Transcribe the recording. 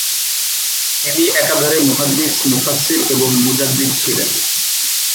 তিনি একাধারে মুহাদ্দিস, মুফাসসির এবং মুজাদ্দিদ ছিলেন।